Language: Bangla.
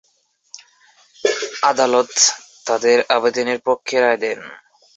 আদালত তাদের আবেদনের পক্ষে রায় দেন।